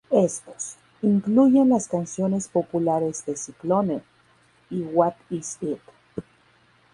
Éstos, incluyen las canciones populares de "Cyclone" y "What Is It.